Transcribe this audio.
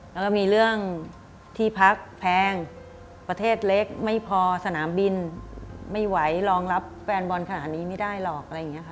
แล้วก็มีเรื่องที่พักแพงประเทศเล็กไม่พอสนามบินไม่ไหวรองรับแฟนบอลขนาดนี้ไม่ได้หรอกอะไรอย่างนี้ค่ะ